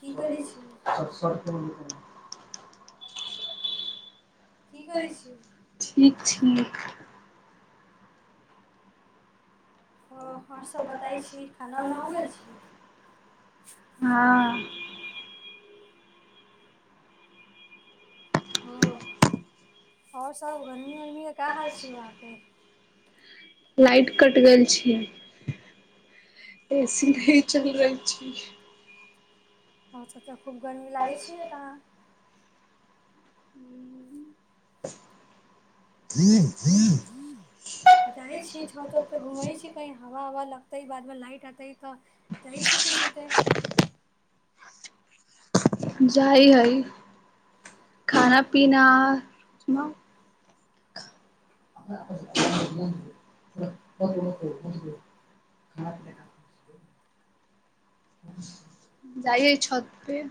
की करै छी? ठीक छी? ओ और सब बताय छी खाना उना हो गेल छी। हँ। ओ और सब गरमी उरमीके का हाल छै वहाँपे? लाइट कट गेल छि। ए सी नहि चलि रहल छी। अच्छा तब तऽ खूब गर्मी लागै छिय तऽ हू जाइ छी छत ऊत पे घूमै छी कही हवा ओवा लगतै बाद मे लाइट एतय तऽ जाइ छी फेर सुतय। अच [unintelligible] जइ-हइ, खाना-पीना। अप [unintelligible] खराब नैय कर जाइ हइ छत पे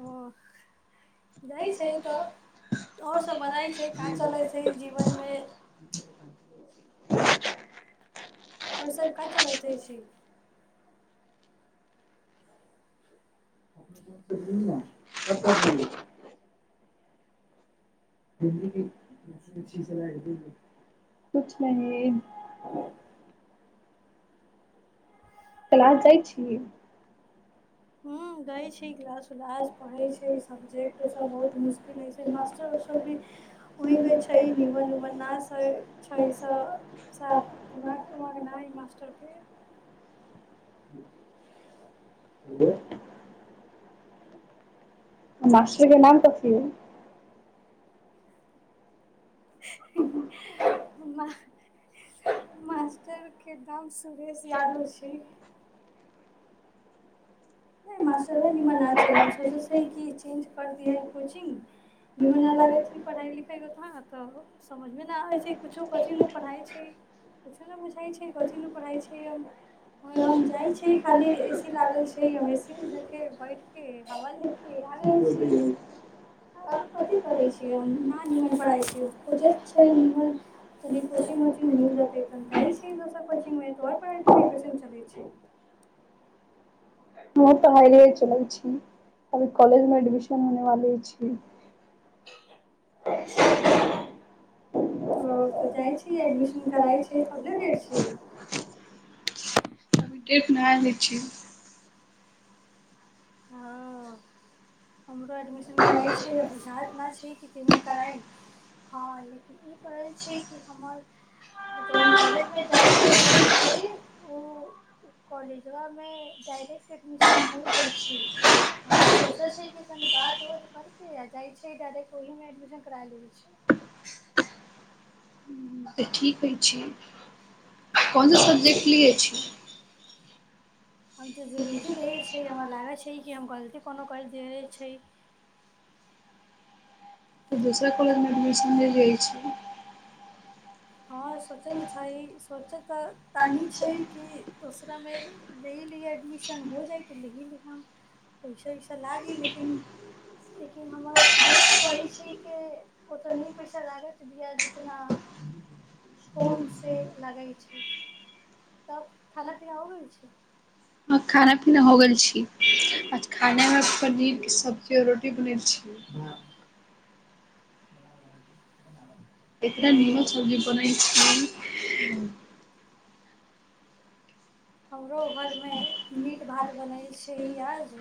ओह। जाइ छै तऽ और सभ बताइ छै का चलैय छै, ई जीवन में त क [unintelligible] [inaudible] कछ नही। क्लास जाइ छी। हां गई छै, क्लास उलास पढ़े छै, सब्जेक्ट सब बहुत मुश्किल हइ छै मास्टर उहिंग छै निमन-उमन नाश छैय सब साफ दिमाग उमाग नाहि हइ मास्टर के ब मास्टरे के नाम तऽ [unintelligible] माँ मास्टरके नाम सुभेष यादव छै। [unintelligible] मास्टरबा निमन ना छै हम सोचैसे कि चेंज कर दिहै कोचिंग निमन ना लागै छै पढ़ाई लिखाईके तहन अतऽ समझ में ना आबै छै कुछो-कछि नू पढ़ाई छै। कुछो नैय बुझाई छै कथी नू पढ़ाई छै यम हम जाइ छी खाली एसी लागल छै ए ऐसी में जाके बैठ के हावा लेके आ गइल छै। आरो कथि करै छियै हम ना नीमन पराइ छै खोजैत छै नीमन तनि कोचिंग-उचिंग मिल जातै कन जाय छी दोसर कोचिंग में तऽ और पढ़ाई लिखाई कैसन चलै छै? ब त हाइ ल चलै छी अभी कॉलेज में एडमिशन होने वाली छी। [inaudible] ओ तऽ जाइ छी एऐडमिशन कराई के [unintelligible] छै [unintelligible] डेट ना अबै छियै। हँ। हमरो एडमिशन कराई छै आ बुझात ना छै कि केमें कराई। हँ लेकिन ई पढ़ल छै कि हमर जौन कॉलेज में जाय के रहै छी उ कॉलेजवा में डाायरेक् क्ट एडमिशन हो जाइ छै तऽ सोचै छै की तनि बात-ओत करके आ जाइ छै डायरेक्ट ओहिमें एडमिशन करा लै छै। हँ तऽ ठीक अइछ ई। कोन सब्जेक्ट लिए छी? हम तऽ जुलेजी लैए छी हमरा लागै छै कि हम गलती कोनो कैल देल छै। तऽ दूसरा कॉलजमे एडमिशन ले लियऽ छइ। हँ सोचल छै सोचत तानि छै कि दोसरा में लै लि एडमिशन हो जाइ तऽ लेही ली हम। पैसा वइसा लाग गेल लेकिन लेकिन हमर दोस्त कहै छै के ओ तऽ नहिए पैसा लागत तऽ भिआ जितना फोम से लगै छै। खाना-पीना हो गइल छै? हँ खाना-पीना हो गेल छी आज खानामे पनीर के सब्ज् के रोटी बनेल छिय। [inaudible] एतेय निमन सब्जी बनै छै। हमरो घर मे मीट भात बनल छै आज,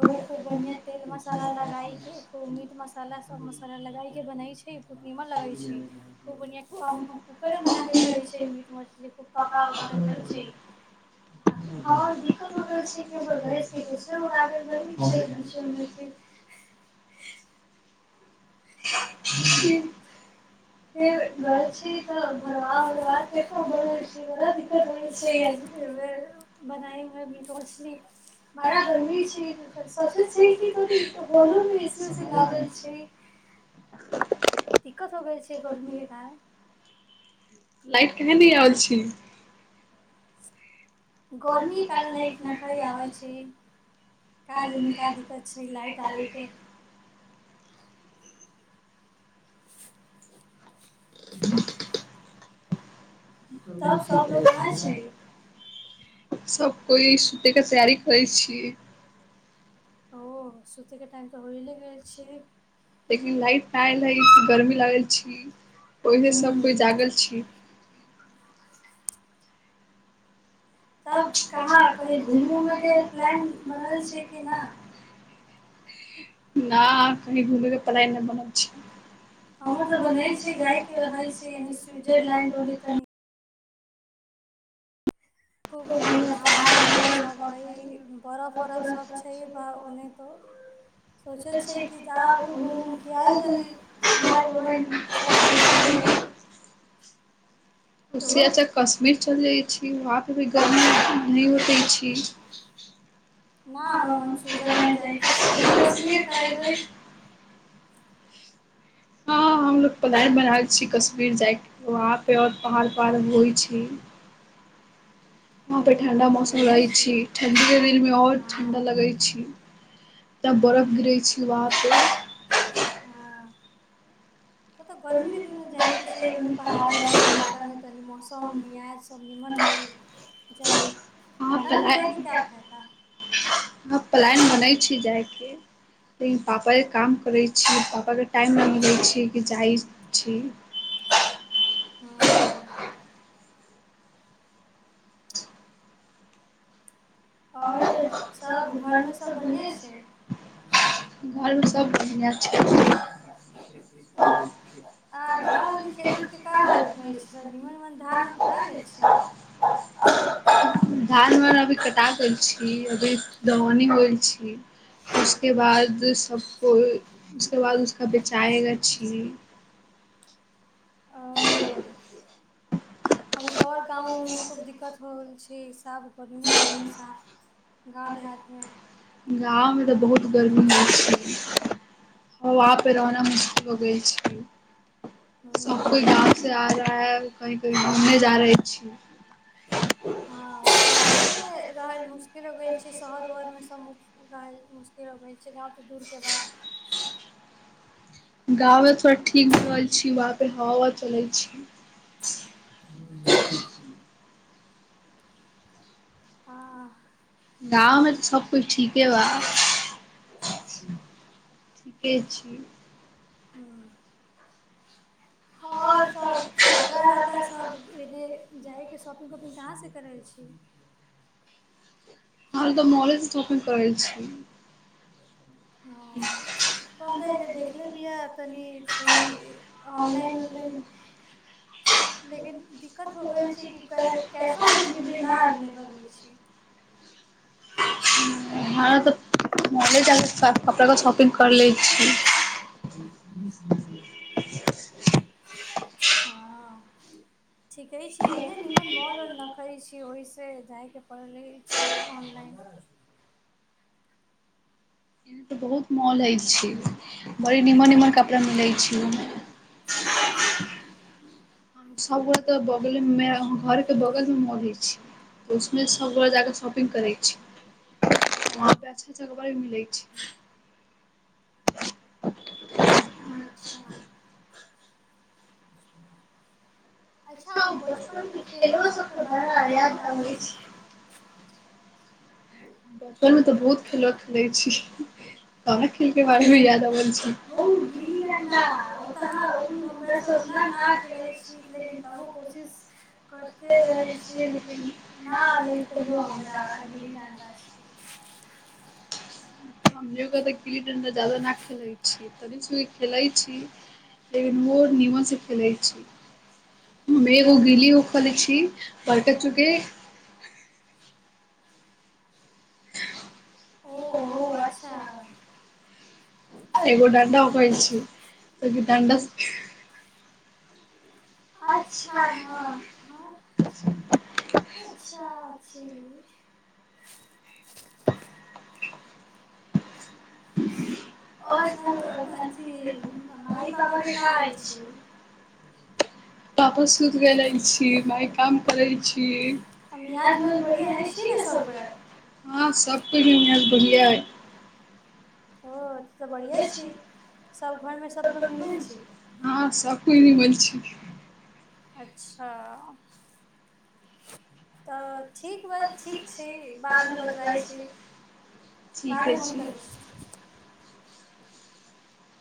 ओहो खूब बढ़िया तेल मसाला लगााय के खूब मीट मसाला सब मसाला लगााय के बनै छै निमन लगे छै। खूब बढ़िया हम कूकर मे बना के खाई छै मीट मछली खूब पका उका के खाइ छै। हँर दिक्कत हो गेल छै, कि ओर गैसके गैसे उड़ागल छै बीचेमे फिर [inaudible] फेर गेल छी तऽ भरबा उरवा के सब बनल छी बड़ा दिक्कत होइ छै अज बनायमे मीट मछली मरा घरमे छै। त सोचैत छै, कि कनी हॉलोमे एसी ओसी लागल छै। दिक्कत हो गेलै छै गर्मी के कारण। लाइट काह [unintelligible] दिय अ छी गर्मी क कारण लाइट नखाइ आबै छै। का जानी का दिक्कत छै लाइट आलय के? [inaudible] तब सब लोग कहाँ छै? सब कोइ सुते के तैयारी करै छीयै। ओ सुत क टाइम तऽ होइल लेकिन लाइट न आयल हय, गर्मी लागल छी। ओहिने सब कोइ जागल छी। त कहाँ घुम उम के प्लान बनल छै कि ना? न अखनि घुम के पलाइन नइ बनल छै। हम त बनल छै, जाइ के रह छी स्विजरलैंड खूब बढ़िआँ पहाड़ उहाड़ सभ हइ, बरफ उरफ सभ छै, ब ओने तो सोचै छै कि जा ओके घूमि उऊमि के आयल तनि भाय बहिन सभके जबै। उसे अचछा कश्मीर चलि जाइ छै, वहाँपे भी गर्मी नहि होतै छै। ह ह कर [unintelligible] हँ हमलोग त प्लान बनाल छी कश्मीर जाय के वहां पे और पहाड़ पहाड़ होइ छी। वहां पे ठंडा मौसम रहे छी, ठंडी के दिन में और ठंडा लगे छी। एकदम बरफ गिरै छी वहां पे। हाँ त तऽ गर्मी के दिनमे जाइ के छै ओन्ने पहाड़ वाली इलाका मे तनि मौसम मियाज सब निमन होय। जाइ ठण्डामे जाइकेा क्या फायदा? ह प्लान बनै छी जायके लेकिन पापाके काम करै छी, पापाके टाइम ना मिले छी कि जाइत छी। हँ आओर सब घरमे सब बढ़िआँ छै? आ गाँवली खेजतके क हाल रहे छै, निमन उमन धान उननकोटा गेल छै? धान उन अभी कटा गेल छै। ई अभी दवनी होल छी। उसके बाद सबको उसके बाद उसका बेचाएगा छी। ओ अभी तऽ आओर गाँवोमे खूब दिक्कत हो रहल छै, साफ गर्मी उरमी साफ गांव देहात मे गाँवमे तऽ बहुत गर्मी होइ छै। ह, वहाँपे रहना मुशकिल हो गेल छी। सब कोइ गाँव से आ रहा है, कही कही घूमने जा रही छी। हँ, बिहारियएमे रहै लए मुश्किल हो गेल छै, शहर उहरमे सभ रहै मुश्किल अबै छै, गाँवके दूरके बात गाँव थोड़ा ठीक भ छी वहाँ पे हवा हवा चल छी, ह ठ छै। [inaudible] आ। गाँव में सबकोइ ठीके बा ठीके छै। हँ। आओर सब कपड़ा लाता सब एने जाइके शॉपिंग वपिंग कहाँसँ करै छी। अहासब मॉलेस सॉपिंग करै छी। आओर हम तऽ एने देखलेबैय तनि छै, ऑनलाइन ऑनलाइन लेकिन दिक्कत हो गेल छै, किै कैश ऑन डिलिवरी नहि अवलेबल होइ छै, ह। [inaudible] हम तऽ मले कपड़ा क शॉपिंग कर ले छ। हँ। ठीके छैने नन मॉल ओल नखै छै। कि ओहिसँ जाइके पड़ल छै, ऑनलाइन यहाँ परे बहुत मॉल हय छै, बड़ी निमन निमन कपड़ा मिले छै। [inaudible] सबगो तऽ बगल मे घरके बगल मे मरै छी। तऽ उसमे सभगोए जा कऽ शॉपिंग करै छी। वहाँ पे अच्छा अच्छा र मिलै छै। [inaudible] अच्छा। ब अच्छा ओ बचपनके खेलोसभके बड़ा याद अबई छी। बचपन मे तऽ बहुत खेल खेलैने छी। तबे खेल के बारेमे याद अबै छै। सोचना नै छी लेकिन कोशिश करते रहै छी, लेकिन न अ सुलु रह हमोगा तऽ गिल्ी डंडा जदा नहि खेलै छी तनी खेलै छी। लेकिन ओ निमास फैलाइ छी, हमे एगो गिल्ली उखले छी बट चुके ओ अच्छा। आगो डा ओकै छै ा। अच्छा हँ ब छी। अच्छा अच्छी। आओर सब अथी मम्मी पापा के कहा आयल छी। [inaudible] पापा सुति गेलइ छी माइ काम करै छी। [unintelligible] हँ सबकियो इहां बढ़िआ अई ओ तऽ बढ़िआँ छी सभ घरमे सभलोग निमन छी? हँ सबकोई निमन छी। अच्छा। तऽ ठीक बस ठीक छी बादमे बतबई छी। बाद में फोन करै छी।